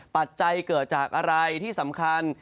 ปัจจัยเกิดจากอะไรที่สำคัญ